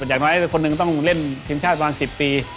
อย่างน้อยคนหนึ่งต้องเล่นทีมชาติประมาณ๑๐ปี